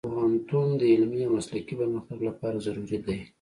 پوهنتون د علمي او مسلکي پرمختګ لپاره ضروري دی.